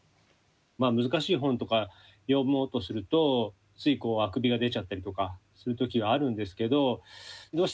難しい本とか読もうとするとついあくびが出ちゃったりとかする時があるんですけどどうしてあくび出ちゃうのかなと思って。